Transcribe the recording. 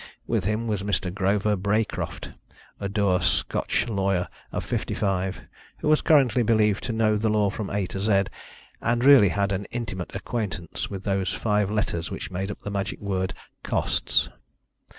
With him was Mr. Grover Braecroft, a dour Scotch lawyer of fifty five, who was currently believed to know the law from A to Z, and really had an intimate acquaintance with those five letters which made up the magic word Costs.